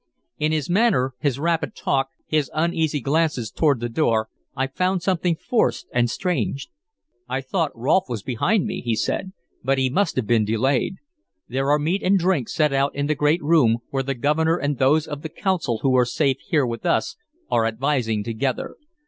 In his manner, his rapid talk, his uneasy glances toward the door, I found something forced and strange. "I thought Rolfe was behind me," he said, "but he must have been delayed. There are meat and drink set out in the great room, where the Governor and those of the Council who are safe here with us are advising together.